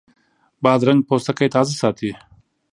بادرنګ د پوستکي تازه ساتي.